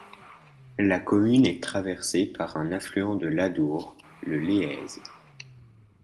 La commune est traversée par un affluent de l'Adour, le Léez.